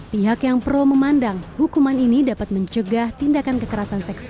pihak yang pro memandang hukuman ini dan perbuatan kebiri